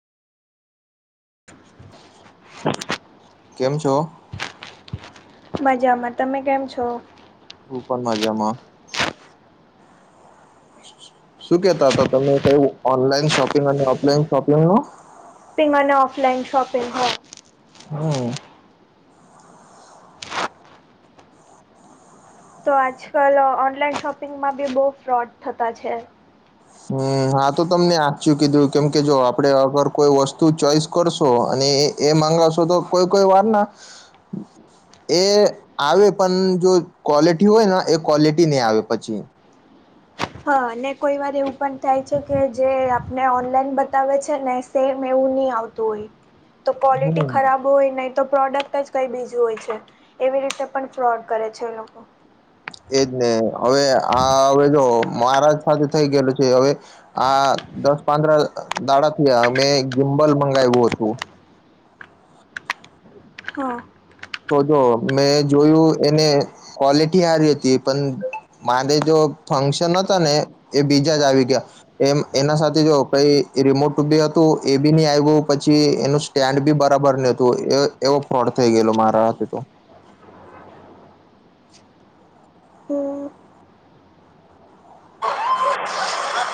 [inaudible] કેમ છો? મજામાં તમે કેમ છો? હું પણ મજામાં. શું કેતા હતા તમે કઈ ઓનલાઈન શોપિંગ અને ઓફલાઈન શોપિંગ નો પ મને ઓફલાઈન શોપિંગ હો. હા. તો આજકાલ ઓનલાઈન શોપિંગમાં બી બહુ ફ્રોડ થતા છે. હમ હા તો તમને આચચું કીધું કેમ કે જો આપડે આગર કોઈ વસ્તુ ચોઈસ કરશો અને એ માંગશો તો કોઈ કોઈ વાર ના [inaudible] એ આવે પણ જો ક્વોલિટી હોય ને એ ક્વોલિટી નહીં આવે પછી. હા અને કોઈ વાર એવું પણ થાય છે કે જે આપને ઓનલાઈન બતાવે છે ને. સેમ એવું નહી આવતું હોય, તો ક્વોલિટી હમ ખરાબ ય નહીં તો પ્રોડક્ટ જ કઈ બીજું હોય છે, એવી રીતે પણ ફ્રોડ કરે છે એ લોકો. એજ ને હવે આ હવે જો મહારાજ સાથે થઈ ગયેલું છે હવે. આ દસ પાંદ્ર દાડા થી અમે જિમ્બલ મંગાવ્યું હતું. હા. તો જો મેં જોયું એને ક્વોલિટી હારી હતી પણ મારે જો ફંક્શન હતા ને. એ બીજા જ આવી ગયા. એમ એના સાથે જો પાઈ રિમોટ બી હતું એ બી નહી આવ્યું પછી એનું સ્ટેન્ડ બી બરાબર નને હતું એ એવો ફ્રોડ થઈ ગયેલો મારા હથે તો. હું [inaudible]